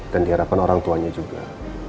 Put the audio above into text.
dan dihadapan orang tuanya juga